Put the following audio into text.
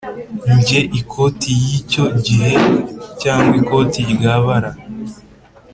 njye, ikoti yicyo gihe cyangwa ikoti rya bara